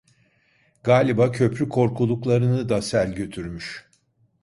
Galiba köprü korkuluklarını da sel götürmüş…